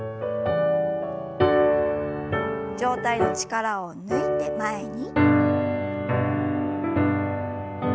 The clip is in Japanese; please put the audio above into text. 上体の力を抜いて前に。